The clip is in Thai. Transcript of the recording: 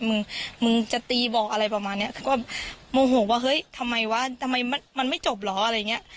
มึงมึงจะตีบอกอะไรประมาณเนี้ยคือก็โมโหว่าเฮ้ยทำไมวะทำไมมันไม่จบเหรออะไรอย่างเงี้ย